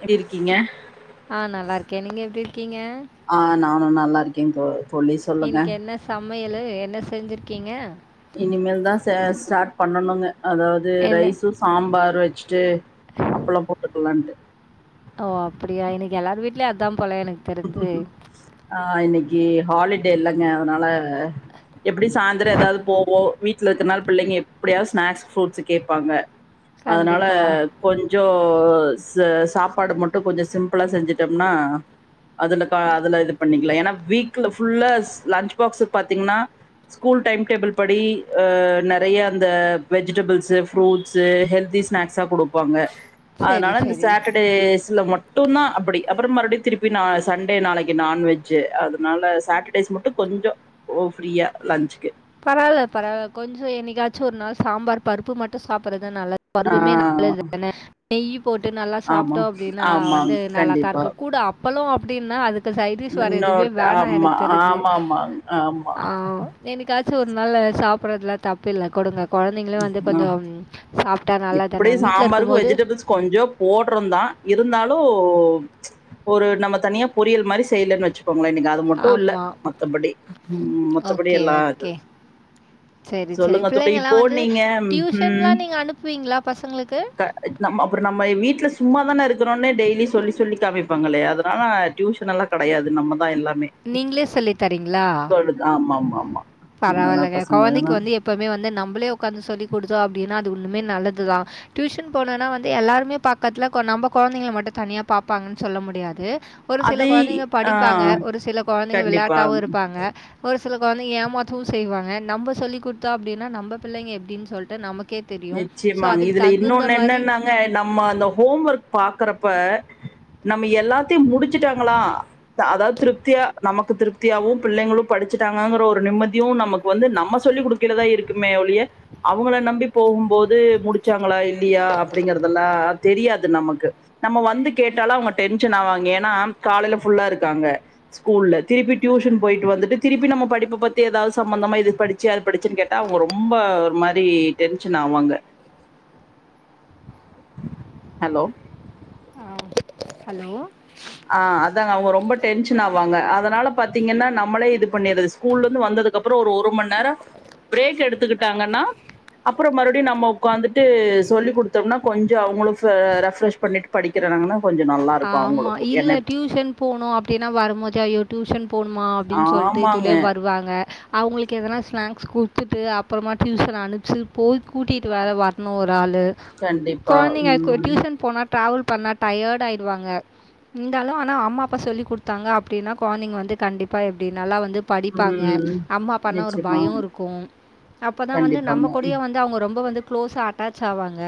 எப்டி இருக்கீங்க ஆஹ் நல்லா இருக்கே நீங்க எப்டி இருக்கீங்க ஆ நானு நல்லா இருக்கே தோ தோழி சொல்லுங்க இன்னைக்கு என்ன சமையலு என்ன செஞ்சிருக்கீங்க இனிமேல் தா ச ஸ்டார்ட் பண்ணணுங்க அதாவது என்ன ரைஸு சாம்பார் வச்சுட்டு அப்பளம் போட்டுக்கலான்ட்டு ஓ அப்டியா இன்னைக்கு எல்லாரு வீட்டுலயு அதா போல எனக்கு தெரிஞ்சு அஹ் இன்னைக்கி ஹாலிடே இல்லங்க அதுனால எப்புடி சாந்தர எதாது போவோ வீட்ல இருக்கறனால புள்ளைங்க எப்டியாவது ஸ்நாக்ஸ் ஃப்ரூட்ஸ் கேப்பாங்க அதுனால கண்டிப்பாக கொஞ்சோ ச சாப்பாடு மட்டு கொஞ்ச சிம்பிளா செஞ்சுட்டம்னா அதுல கா அதுல இது பண்ணிக்கலா ஏன்னா வீக்ல ஃபுல்லா லஞ்ச் பாக்ஸ் பாத்தீங்ன்னா ஸ்கூல் டைம் டேபிள் படி நெறய அந்த வெஜிடபிள்ஸு ஃப்ரூட்ஸு ஹெல்தி ஸ்நாக்ஸா குடுப்பாங்க சரி அதுனால இந்த சரி சாட்டர்டேஸ்ல மட்டுதா அப்டி அப்பறோ மறுடி திருப் எப்பி சண்டே நாளைக்கு நான்வெஜ் அதுனால சாட்டர்டேஸ் மட்டு கொஞ்சோ ஓ ஃப்ரியா லஞ்ச்க்கு பரவால்ல பரவால்ல கொஞ்சோ என்னைக்காச்சு ஒரு நாள் சாம்பார் பருப்பு மட் முட்ட சாப்பட்றது நல்லது ஆ பருப்புமே நல்லதுதான நெய்யி போட்டு நல்லா ஆமா சாப்ட்டோ அப்டின்னா ஆமாங் வந்து நல்லா தா கண்டிப்பா இருக்கு கூட அப்பளோ அப்டின்னா அதுக்கு சைடிஸ் வேற எதுமே இன்னொட் வேணா ஆமா எனக்கு தெரிஞ்சுது ஆமா ஆமாங் ஆமா ஆ என்னைக்காச்சு ஒரு நாளு சாப்டறதுல தப்பு இல்ல கொடுங்க கொழந்தைங்களு வந்து ஆ கொஞ்சம் சாப்ட்டா இப்டி நல்லதான வீட்ல இருக்கும் சாம்பாருக்கு போது வெஜிடபிள்ஸ் கொஞ்சோ போட்றோதா இருந்தாலு ஒரு நம்ம தனியா பொரியல் மாரி செய்யலன்னு வச் பொங்கல் அன்னைக்கி அது மட்டு இல்ல ஆமாம் மத்தபடி ம் மத்தபடி ஓகே எல்லா அது ஓகே சரி சரி சொல்லுங்க தோழி இப்போ பிள்ளைங்கள்லாம் வந்து நீீங்க ம் டியூஷன்லாம் நீங்கள் அனுப்புவீங்களா பசங்களுக்கு நம்ம அப்ற நம்ம வீட்ல சும்மா தான இருக்குறோன்னு டெய்லி சொல்லி சொல்லி காமிப்பாங்களே அதுனால டியூஷன் எல்லா கெடயாது நம்ம தா எல்லாமே நீங்களே சொல்லி தரீங்களா சொல்லுங்க ஆமா ஆமா ஆமா அதனால பரவால்லங்க கொழந்தைக்கு பசங்கள வந்து எப்பவுமே வந்து நம்மளே உக்காந்து சொல்லி குடுத்தோ அப்படின்னா அது ஒண்ணுமே நல்லதுதா டியூஷன் போனனா வந்து எல்லாருமே பாக்கத்துல நம்ம கொழந்தைங்கள மட்டு தனியா பாப்பாங்கன்னு சொல்ல முடியாது ஒரு சில அது கொழந்தைங்க ஆ படிப்பாங்க ஒரு சில கொழந்தைங்க கண்டிப்பா விளையாட்டாவு இருப்பாங்க ஒரு சில கொழந்தைங்க வந்து ஏமாத்தவு செய்வாங்க நம்ம சொல்லி குடுத்தா அப்டின்னா நம்ப பிள்ளைங்க எப்டின்னு சொல்லிட்டு நமக் கே தெரியு சோ அதுக்கு தகுந்த மாரி அ நம்ம அந்த ஹோம் ஒர்க் பாக்குறப்ப நம்ம எல்லாத்தையு முடிச்சட்டாங்களா அ அதாவது திருப்தியா நமக்கு திருப் த்தியாவு பிள்ளைங்களு படிச்சுட்டாங்கங்கிற ஒரு நிம்மதியு நமக்கு வந்து நம்ம சொல்லி் குடுக்கைலதா இருக்குமே ஒழிய அவங்கள நம்பி போகும்போது முடிச்சாங்களா இல்லையா அப்படிங்கறதல்லா தெரியாது நமக்கு நம்ம வந்து கேட்டாலு அவங்க டென்ஷன் ஆவாய்ங்க ஏன்னா காலையில ஃபுல்லா இருக்காங்க ஸ்கூல்ல திருப்பி டியூஷன் போயிட்டு வந்துட்டு திருப்பி நம்ம படிப்ப பத்தி ஏதாவது சம்பந்தமா இது படி ச்சியா அத படிச்சன்னு கேட்டா அவங்க ரொம்ப ஒரு மாரி டென்ஷன் ஆவாங்க ஹலோ ஆ ஹலோ ஆ அதா அவங்க ரொம்ப டென்ஷன் ஆவாங்க அதனால பாத்தீங்கன்னா நம்மளே இது பண்ணிரது ஸ்கூல்ல இருந்து வந்ததுக்கப்பறோ ஒரு மண்நேரம் ப்ரேக் எடுத்துக்கிட்டாங்கன்னா அப்பற மறுபடி நம்ம ஒக்காந்துட்டு சொல்லி குடுத்தோம்னா கொஞ்ச அவங்களு ப்ர ரெஃப்ரெஷ் பண்ணிட்டு படிக்கிறாங்கன்னா கொஞ்ச நல்லாருக்கு அவங்களு ஆமா. இல்ல டியூஷன் போணு அப்டின்னா வரும்போதே அய்யோ டியூஷன் போணுமா அப்டின் சொல்ட்டு ஆமாங்க. இதுலே வருவாங்க அவங்களுக்கு எதனா ஸ்நாக்ஸ் குடுத்துட்டு அப்பறமா டியூஷன் அனுச்சி போய் கூட்டிட்டு வேற வரணு ஒரு ஆளு கண்டிப்பா. கொழந்தைங்க ம். டியூசன் போனா ட்ராவல் பண்ணா டயர்ட் ஆயிடுவாங்க இருந்தாலு ஆனா அம்மாப்பா சொல்லி் குடுத்தாங்க அப்டின்னா கொழந்தைங்க வந்து கண்டிப்பா எப்டி நல்லா வந்து படிப்பாங்க ம். அம்மா அப்பானா ஒரு நிச்சயமா. பயோ இருக்கு அப்பதா வந்து கண்டிப்பாங்க. நம்ம கூடிய வந் து அவங்க ரொம்ப வந்து க்ளோஸ்ஸா அட்டாட்ச் ஆவாங்க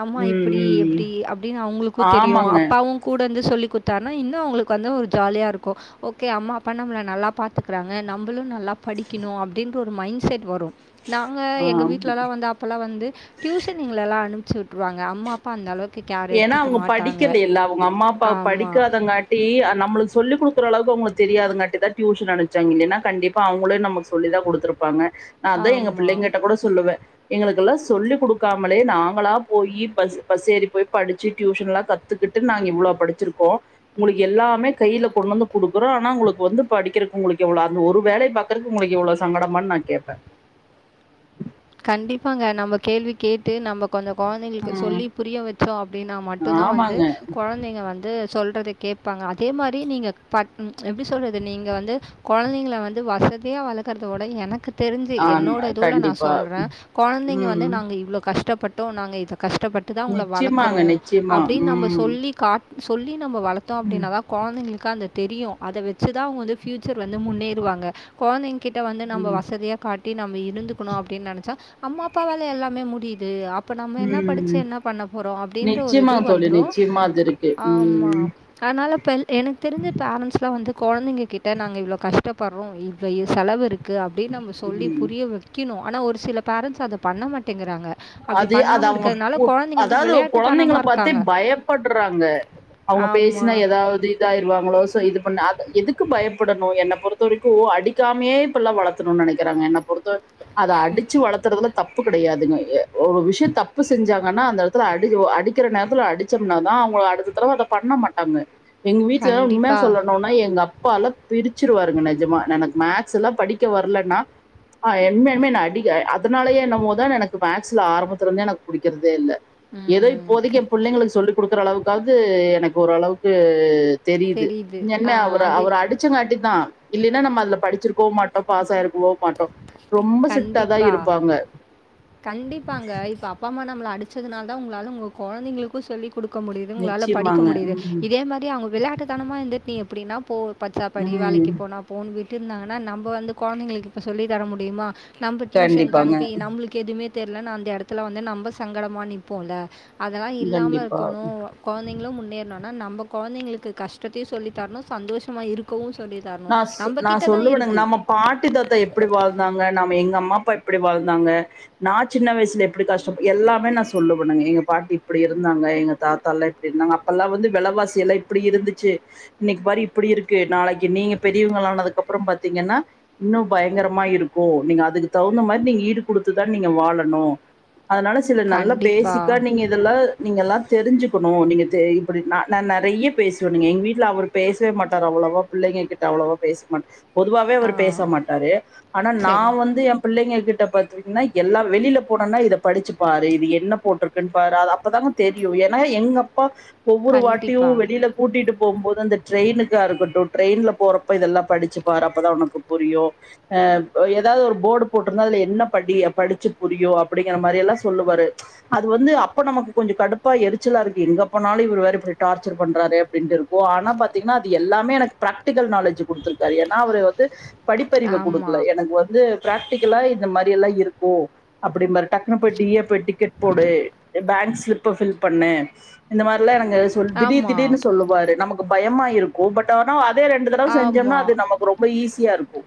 ஆம்மா ம், இப்டி ம். ம். எப்டி அப்டின்னு அவங்களுக்கு தெரியு ஆமாங்க. ஊன் கூட இருந்து சொல்லி குடுத்தாருன்னா இன்னு அவங்களுக்கு வந்து ஒரு ஜாலியா இருக்கு ஓகே அம்மா அப்பா நம்மள நல்லா பாத்துக்கறாங்க நம்பளு நல்லா படிக்கணு அப்டின்ற ஒரு மைண்ட செட் வரு நாங்க எங்க ஆ. வீட்லல்லா வந்து அ ப்பலா வந்து டியூஷன் எங்களெல்லா அனுச்சிவிட்டுருவாங்க அம்மா அப்பா அந்தளவுக்கு கேர் எடுத்துக்க மாட்டாங்க உங்க அம்மா அப்பா ஆமாம் படிக்காதங்காட் காட்டி நம்மளுக்கு சொல்லி குடுக்கற அளவுக்கு அவங்களுக்கு தெரியாதுங்காட்டிதா ட்யூசன் அனுச்சாங்க இல்லைனா கண்டிப்பா அவங்களு நமக்கு சொல்லி தா குடுத்துருப் இருப்பாங்க நா அது எங்க ஆமா. பிள்ளைங்கிட்ட கூட சொல்லுவே எங்களுக்குல்லா சொல்லிக் குடுக்காமலே நாங்களா போய் பஸ் பஸ் ஏறி போய் படிச்சு ட்யூஷன்ல்லா கத்துக்கிட்டு நாங்க இவ்வளோ படிச்சிருக்கோ உங்களுக்கு எல்லாமே கையில கொண்டு வந்து குடுக்குறோ ஆனா உங்களுக்கு வந்து படிக்கிறக்கு உங்களுக்கு எவ்ளோ அந்த ஒரு வேலை பா க்குறக்கு உங்களக்கு இவ்ளோ சங்கடமான் நா கேப்ப கண்டிப்பாங்க நம்ம கேள்வி கேட்டு நம்ம கொஞ்ச கொழந்தைகளுக்கு ம் சொல்லி புரிய வச்சோ அப்டின்னா மட்டுந்தா வந்து ஆமாங்க கொழந் நீங்க வந்து சொல்றது கேப்பாங்க அதே மாரி நீங்க ப எப்டி சொல்றது நீங்க வந்து கொழந்தைங்கள வந்து வசதியா வளக்கறத விட எனக்கு தெரிஞ்சு ஆ என்னோட இதுவுல நா கண்டிப்பா சொல்றே கொழந்தைங்க வந்து ம் நாங்க இவ்வளோ கஷ்டப்பட்டோ நாங்க இத கஷ்டப்பட் ட்டு தா உங்கள நிச்சயமாங்க வளர்க்கறோ நிச்சயமா. அப்டின் நம்ப ம். சொல்லி காட் சொல்லி நம்ம வளர்த்தோ ம், அப்டின்னாதாப் கொழந்தைங்களுக்கு அந்த தெரியு அத வெச்சுதா அவங்க வந்து ஃபியூச்சர் வந்து முன்னேறுவாங்க கொழந்தைங்க கிட்ட வந்து நம்ம ம். வசதியாக காட்டி நம்ம இருந்துக் டி நெனைச்சா அம்மா அப்பாவால எல்லாமே முடியுது அப் இப்ப நம்ம என்ன படிச்சு ம். என்ன பண்ண போறோ அப்டின்ற ஒரு இது நிச்சயமாங்க தோழி. வந்துரு நிச்சயமா அது இருக்கு. ஆமா ம், அதனால பெல் எனக்கு தெரிஞ்ச பேரண்ட்ஸ்லா வந்து கொழந்தைங்க கிட்ட நாங்க இவ்ளோ கஷ் ட்டபறோ இப்ப இ செலவு இருக்கு அப்டின் நம்ம சொல்லி ம். புரிய வைக்கணு ஆனா ஒரு சில பேரண்ட்ஸ் அத பண்ண மாட்டேங்கிறாங்க அப்படி அது அது பண்ணாமல் அவங்க இருக்கிறதுனால பொப் குழந்தைங்க வந்து அதாவது ஒ குழந்தைகள விளையாட்டுத்தனமாக பத்தே இருக்காங்க பயப்படுறாங்க அவங்க பேசினா ஆமாம் ஏதாவது இதாயிருவாங்களோ சோ இது பண்ணா அது எதுக்கு பயப்படணு என்ன பொறுத்த வரைக்கு அடிக்காமையே இப்புல்லா வளத் த்துனுன் நெனைக்கிறாங்க என்ன பொறுத்த அத அடிச்சு வளத்துறதுல தப்பு கிடையாதுங்க எ ஒரு விஷியோ தப்பு செஞ்சாங்கன்னா அந்த எடத்துல அடிச்ஜி வ அடிக்கிற நேரத்துல அடிச்சோம்னா தா அவங்க அடுத்த தடவ அத பண்ண மாட் டாங்க எங்க வீட்டுல எல்லா உண்மைய கண்டிப்பாக சொல்லணுன் பை எங்க அப்பாலா திரிச்சிருவாருங்க நிஜமா நெனக்கு மேக்ஸ் எல்லா படிக்க வர்லன்னா ஆ என்னன்மே நான அடிக்க அதனாலயே என்னமோ தா எனக்கு மேக் ஸ்ல ஆரம்பத்துல இருந்தே எனக்கு புடிக்கறதே இல்ல ஏதோ ம் இப்போதைக்கு என் புள்ளைங்களுக்கு சொல்லிக் குடுக்கற அளவுக்காவ்து எனக்கு ஓரளவுக்கு தெரியுது என்ன ஆ அவர் அது அவர் அடிச் ச்சங்காட்டி தா இல்லைன்னா நம்ம அதுல படிச்சிருக்கோ மட்டோ பாஸ் ஆயிருக்குவோ மாட்டோ ரொம்ப சிட்டா தா கண்டிப்பா. இருப்பாங்க கண்டிப்பாங்க இப்ப அப்பா அம்மா நம்மள அடிச்சதுனால தா உங்களால உங்க கொழந்தைங்களுக்கு சொல்லிக் குடுக்க முடியுது உங்களால படிக்க நிச்சயமாங்க முடியுது ம் இதே மாரி அவங்க விளாட்டு தனமா இருந்துட் நீ எப்புடின்னா போ பச்சாப்படி வேலைக்கு ம் போனா போன்னு விட்டு இருந்தாங்கன்னா நம்ம வந்து கொழந்தைங்களுக்கு இப்ப சொல்லி தர முடியுமா நம்ம டியூஷன்க்கு கண்டிப்பாங்க அனுப்பி நம்மளுக் கெதுமே தெர்ல நா அந்த எடத்துல வந்து நம்ப சங்கடமா நிப்போல அதெல்லா இல்லாம கண்டிப்பா இருக்கோணு கொழந்தைங்களு முன்னேறணுன்னா நம்ம கொழந்தைங்களுக்கு கஷ்டத்தையு சொல்லித்தரணு சந்தோஷமா இருக் கவு சொல்லி தர்ணு நா நா நம்பகிட்ட தா சொல்லுவேனுங்க இருக்கு நம்ம பாட்டி தாத்த எப்படி வாழ்ந்தாங்க நாம எங்க அம்மா அப்பா எப்படி வாழ்ந்தாங்க நா சின்ன வயசுல எப்படி கஷ்டப் எல்லாமே நா சொல்லுவனுங்க எங்க பாட்டி இப்டி இருந்தாங்க எங்கத் தாத்தால்லா இப்டி இருந்தாங்க அப்பல்லா வந்து வெலவாசி எல்லா இப்டி இருந்துச்சு இன்னைக்கு பாரு இப்படி இருக்கு நாளைக்கு நீங்க பெரியவங்கள் ஆனதுக்கு அப்றோ பாத்தீங்கன்னா இன்னு பயங்கரமா இருக்கு நீங்க அதுக்கு தவுந்த மாரி நீங்க ஈடு குடுத்து தா நீங்க வாழணு அதனால சில நல்ல கண்டிப்பா. பேசிக்கா நீங்க இதெல்லா நீங்கள்ல்லா தெரிஞ்சுக்கணு நீங்க தே இப்படி நா நா நறைய பேசுவ நீங்க எங்க வீட்ல அவருக் பேசவே மாட்டாரு அவ்வளவா பிள்ளங்ககிட் ட அவ்ளவா பேச மாட்ட பொதுவாவே ஆ அவரு பேச மாட்டாரு ஆனா நா சரி வந்து எம் பிள்ளைங்க கிட்ட பாத்தீங்கன்னா எல்லா வெளியில போனோனா இத படிச்சு பாரு இது என்ன போட்ருக் க்குன் பாரு அது அப்பதாங்க தெரியு ஏன்னா எங்க அப்பா ஒவ்வொரு வாட்டியு கண்டிப்பாக வெளியில கூட்டிட்டு போகும் போது அந்த ட்ரெயினுக்கா இருக்கட்டு ட்ரெயின்லப் போறப்ப இதெல்லா படிச்சு பாரு அப்பதா உனக்கு புரியு அத் ஒ ஏதாவது ஒரு போர்டு போட்டிருந்தா அதுல என்ன படி அ படிச்சு புரியு அப்படிங்கிற மாரி எல்லா சொல்லுவாரு ம்ச் அது வந்து அப்ப நமக்கு கொஞ்சோ கடுப்பா எரிச்சலா இருக்கு எங்கப்போனாலு இவர் வேற இப்படி டார்ச்சர் பண்றாரு அப்டின்ட்டு இருக் கு ஆனா பாத்தீங்கன்னா அது எல்லாமே எனக்கு பிராக் டிகல் நாலெட்ஜ்ஜு குடுத்துருக்காரு ஏன்னா அவர் வந்து படிப்பறிவ குடுக்கல ஆமாம் எனக்கு வந்து பிராக்டிக்கலா இந்த மாரி எல்லா இருக்கு அப்படிம் பாரு டக்குனு போய் டீயப்பு டிக்கெட் போடு பேங்க்ஸ்லிப்ப ஃபில் பண்ணு இந்த மாறில்லா நாங்க சொல் திடீர் திடீர்னு ஆமாம் சொல்லுவாரு நமக்கு பயமா இருக்கும் பட் ஆனா அதே ரெண்டு தடவ செஞ்சம்னா அது ஆமாம் நமக் ரொம்ப ஈஸியா இருக்கும்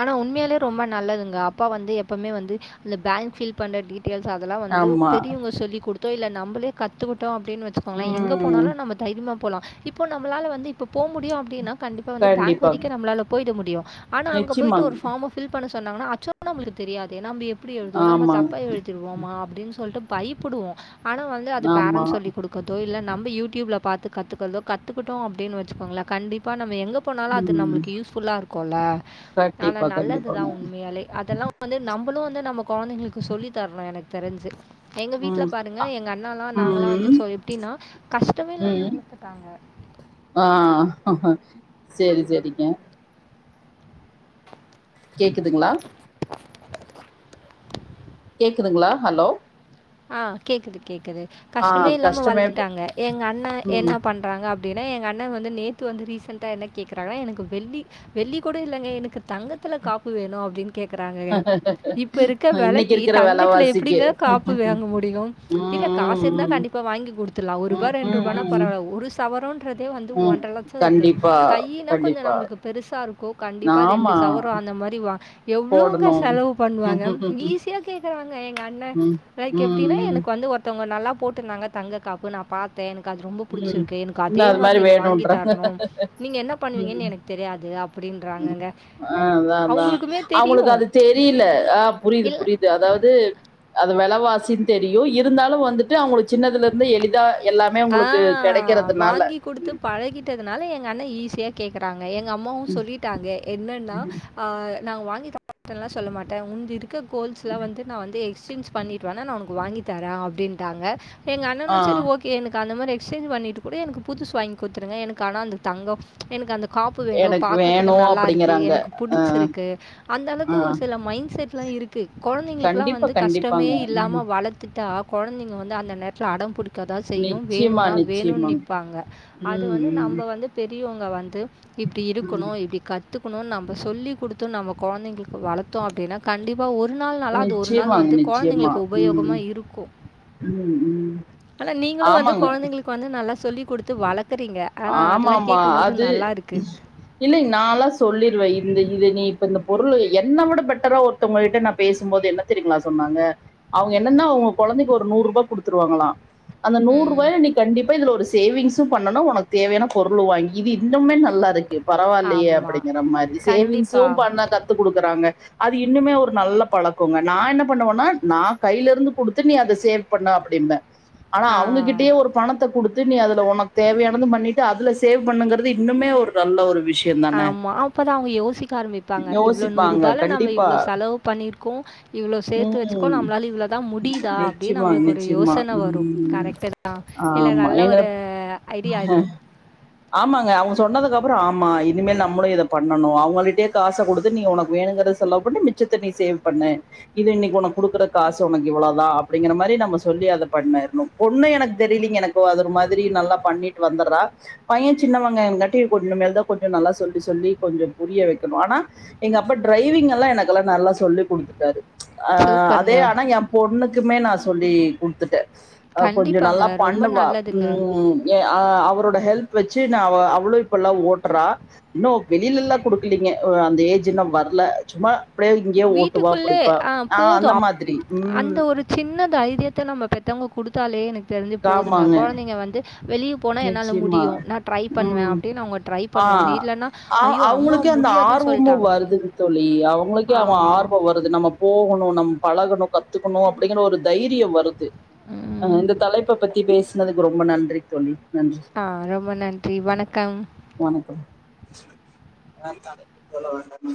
ஆனா உண்மையாலயே ரொம்ப நல்லதுங்க அப்பா வந்து எப்பவுமே வந்து இந்த பேங்க் ஃபில் பண்ற டீட் டெயில்ஸ் அதெல்லா வந்து ஆமா பெரியவங்க சொல்லி குடுத்தோ இல்ல நம்மளே கத்துக்கிட்டோம் அ அப்டின்னு வச்சுக்கோங்களே எங்க உம் போனாலும் நம்ம தைரியமா போலா இப்போ நம்மளால வந்து இப்ப போ முடியு அப்டின்னா கண்டிப்பா வந்து பேங்க் கண்டிப்பா வரிக்கும் நம்பளால போயிட முடியு ஆனா அங்க நிச்சயமாங்க ம்ம ஃபில் பண்ண சொன்னாங்கன்னா அச்சோ நம்மளுக்கு தெரியாது ஏன்னா நம்ப எப்படி எழுதுவோ நம்ப ஆமாங்க தப்பா எழுதி ருவோமா அப்டின்னு சொல்ட்டு பயிப்புடுவோ ஆனா வந்து அது ஆமா பேரண்ஸ் சொல்லி குடுக் கதோ இல்ல நம்ம யூடியூப்ல பாத்து கத்துக்கறதோ கத்துக்கிட்டோ அப்டின்னு வச்சுகோங்களே கண்டிப் ப்பா நம்ம எங்க போனாலு அது உம் நம்மளுக்கு யூஸ்ஃபுல்லாயிருக்குல்ல ஆனா கண்டிப்பா நல்லதுதா கண்டிப்பாங்க. உண்மை யாலே அதெல்லா வந்து நம்மளும் வந்து நம்ப கொழந்தைங்களுக்கு சொல்லி தரணும் எனக்கு தெரிஞ்சு எங்க வீட்ல ம். பாருங்க எங்க அண்ணால்லா நாங்கல்லா வந்து ம். சொ எப்படின்னா கஷ்டமே இல்லாம ம் வளத்துடாங்க ஆ சேரி சரிங்க கேக்குதுங்ளா [inaudible] கேக்குதுங்ளா ஹலோ ஆ கேக்குது கேக்குது ஆ கஷ்டமே இல்லாம கஷ்டமே வளத்துட்டாங்க எங்க அண்ணே ம். என்னா பண் றாங்க அப்படின்னா எங்க அண்ணே வந்து நேத்து வந்து ரீசண்டா என்ன கேக்குறாங்னா எனக்கு வெள்ளி வெள்ளி கூட இல்லங்க எனக்கு தங்கத்துல காப்பு வேணு அப்டின்னு கேக் றாங்கங்க இப்ப இருக்க இன்னைக்கு விலைக்கி இருக்கிற தங்கத்துல வெலவாசிக்கு. எப்படிங்க ம், காப் வேங்க முடியு இல்ல காசு இருந்தா ம், ம். கண்டிப்பா வாங்கி குடுத்துட்லா ஒருபா ம், ம், ரெண்ரூபான்னா ம், பரவால்ல ஒரு சவரோன்றதே வந்து ம். ஒன்ரை லட்சோருக்கு கண்டிப்பா, கையின்னா கொஞ்சோ கண்டிப்பா. நம்மளுக்கு பெருசாருக்கும் கண்டிப்பா ரெண்டு ஆமா சவரோ அந்த மாறி வா எவ்ளோவுங்க போடணும். செலவு ம், பண்ணுவாங்க ம், ம். ஈஸியாக் கேக்கறாங்க எங்க அண்ணே ம், எனக்கு எப்டின்னா ம். எனக்கு வந்து ஒருத்தவங்க நல்லா போட்டிருந்தாங்க தங்க காப்பு நா பாத் த்தே எனக்கு அது ரொம்ப ம். புடுச்சிருக்கு எனக்கு இன்னும் அதே அது மாறி மாரி நீங்க வாங்கி வேணுன்றாங்க. தர்ணும் நீங்க என்ன பண்ணுவீங்கன்னு எனக் தெரியாது அப் அ அத்தா அத்தா அவங்களுக்குமே அவங்களுக்கு தெரியும் அது தெரியில ஆ புரியுது இல்லை புரியு து அதாவது அது விலைவாசின்னு தெரியு இருந்தாலு வந்துட்டு அவங்ளுக்கு சின்னதுல இருந்தே எளிதா எல்லாமே உங்களுக்கு கிடைக்கிறதுனால த்து பழகீட்டதுனால எங்க அண்ணே ஈஸியா கேக்கறாங்க எங்க அம்மாவு சொல்லீட்டாங்க என்னன்னா அ நா வாங்கி தரமாட்டல்லா சொல்ல மாட்டே உன்து இருக்க கோல்ஸ்ல்லா வந்து நா வந்து எக்ஸ்சேஞ்ச் பண்ணிட்டு வேணா நா உனக்கு வாங்கி தரேன் அப்டின்டாங்க எங்க ஆ அண்ணனும் சரி ஓக் எனக்கு அந்த மாதிரி எக்ஸ்சேஞ்ச் பண்ணிட்டு கூட எனக்கு புதுசு வாங்கி குடுத்துருங்க எனக்கு ஆனா அந்த தங்கம் எனக்கு அந்த காப்பு வேணு எனக்கு பாக்கத்துக்கு வேணு நல்லா இருக்கு அப்படிங்கறாங்க எனக்கு புடிச்சிருக்கு அந்த ஆ அளவுக்கு ஒரு சில மைண்ட் செட் ல்லா இருக்கு கொழந்தங்களுக்கெல்லா கண்டிப்பா வந்து கஷ்டமே கண்டிப்பாங்க ம் இல்லாம வழத்துட்டா கொழந்தங்க வந்து அந்த நேர அடம் புடிக்கதா செய்யும் நிச்சயமா வேணும்னா வேணுன் நிச்சயமாங்க நிப்பாங்க அது ம் வந்து ம் நம்ப வந்து பெரியவங்க வந்து இப்டி ம் இருக்கணு இப்டி கத் துக்குணுன்னு நம்ப சொல்லி குடுத்து நம்ப கொழந்தைங்களுக்கு வளத்தோ அப்படின்னா கண்டிப்பா ஒரு நாள்னால அது ஒரு நாள் நிச்சயமாங்க வந்து நிச்சயமா கொழந்தங்களுக்கு ம் உபயோகமா இருக்கு ம் ம் ஆனா நீங்களு வந்து ஆமாங்க கொழந்தைங்களுக்கு வந்து நல்லா சொல்லிக் குடுத்து வளக்குறீங்க ஆமா ஆமா அது இல்லீங்க நால்லா சொல்லீருவே இந்த இது நீ இப்ப இந்த பொருளு என்ன விட பெட்டரா ஒரு த்தவங்ககிட்ட நா பேசும்போது என்ன தெரியுங்களா சொன்னாங்க அவங்க என்னன்னா அவ்ங்க கொழந்தைக்கு ஒரு நூறு ரூபா குடுத்துருவாங்களா அந்த நூறு ம் ரூபாய நீ கண்டிப்பாதுல ஒரு சேவிங்ஸு பண்ணனு உனக் கு தேவையான பொருளு வாங்கி இது இன்னுமே நல்லாருக்கு பரவாயில்லையே ஆமாம் அப்டிங்கிற மாதிரி சேவிங்ஸும் கண்டிப்பாக பண்ண கத்து குடுக்குறாங்க அது இன்னுமே ஒரு நல்ல பழக்கோங்க நா என்ன பண்ணுவோனா நா கையில இருந்து குடுத்து நீ அத சேவ் பண்ணு அப்புடீன்பே ஆனா ஆ அவங்ககிட்டயே ஒரு பணத்தை குடுத்து நீ அதுல உனக்கு தேவையா னவந்து பண்ணிட்டு அதுல சேவ் பண்ணுங்கிறது இன்னுமே ஒரு நல்ல ஒரு விஷயோ ஆமா அப்பதா அவ்ங்க யோசிக்க ஆரம்பிப்பாங்க இவ்ளோ நூறு யோசிப்பாங்க ரூபால நம்ம கண்டிப்பா இவ்ளோ செலவு பண்ணிருக்கோ இவ்ளோ சேத்து வச்க்கோ ம் நம்மளால இவ்ளோதா முடீதா அப்டீன்னு நிச்சயமா அவங்களுக்கு ஒரு நிச்சயமா யோசன வரு ம் கரெக்ட்டு தா இல்ல ஆமா நல்ல எங்க ஒரு ஐடியா இது ஆமாங்க அவங்க சொன்னதுக்கு அப்புற ஆமா இனிமேல் நம்மளு இத பண்ணணு அவங்களிட்டே காசை குடுத்து நீங்க உனக்கு வேணுங்கறத செலவு பண்ணு மிச்ச த நீ சேவ் பண்ணு இது இன்னைக்கி உனக்கு குடுக்குற காசு உனக்கு இவ்வளோதா அப்டிங்கிற மாரி நம்ம சொல்லி அதை பண்ணாயிரணு பொண்ணு எனக்கு தெரியலீங்க எனக்கு அது ஒரு மாரி நல்லா பண்ணிட்டு வந்துடுறா பைய சின்னவங்கங்கட்டி கொஞ்ச மேல தா கொஞ்ச நல்லா சொல்லி சொல்லி கொஞ்ச புரிய வெக்கணு ஆனா எங்க அப்ப டிரரைவிங் எல்லா எனக்குல்லா நல்லா சொல்லி குடுத்துட்டாரு அ அதே சூப்பருங்க. ஆனா என் பொண்ணுக்குமே நா சொல்லி குடுத்துட்டே அ கொஞ்சோ கண்டிப்பாங்க. நல்லா ரொம்ப பண்ணுவா நல்லதுங்க. ம் எ அ அவரோட ஹெல்ப் வச்சு நா அவ்ளு இப்ப எல்லா ஓட்டுறா இன்னு வெளீல எல்லா குடுக்கலீங்க அந்த ஏஜ்ஜின்னு வர்ல சும்மா அப்டியே இங்கேயே ஓட்டுவா வீட்டுக்குள்ளே புடிப்பா ஆ அந்த போதும். அப் மாதிரி ம் அந்த ஒரு சின்ன தைரியத்தை நம்ம பெத்தவங்க குடுத்தாலே எனக்கு தெரிஞ்சு போதுங்க ஆமாங்க கொழந்தைங்க வந்து வெளிய போனா என்னால நிச்சயமா முடியு நா டரை பண்ணுவே ம் அப்டின்னு அவங்க ட்ரை ஆ பண்ணுவாங்க இல்ன்னா ஆ ஐயோ அம்மாவ அவங்களுக்கே அந்த ஆர்வமு வருதுங் தோழி அவங்களுக்கே அவங்க ஆமா. ஆர்வோ வரு அது நம்ம போகணு நம்ம பழகணு கத்துக்கணு அப்டிங்கிற ஒரு தைரியம் வருது அ ம். இந்த தலைப்ப பத்தி பேசுனதுக்கு ரொம்ப நன்றி தோழி நன்றி ஆ ரொம்ப நன்றி வணக்கம் வணக்கம்